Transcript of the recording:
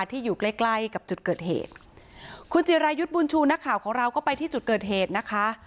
ที่อยู่ใกล้ใกล้กับจุดเกิดเหตุคุณจิรายุทธ์บุญชูนักข่าวของเราก็ไปที่จุดเกิดเหตุนะคะ